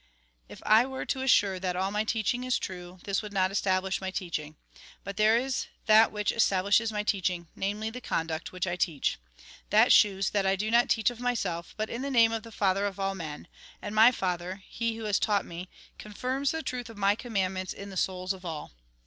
" If I were to assure all that my teaching is true, this would not establish my teaching. But there is that which establishes my teaching; namely, the con duct which I teach. That shews that I do not teach of myself, but iu the name of the Father of all men. And my Father, He who has taught me, confirms the truth of my commandments in the souls of all.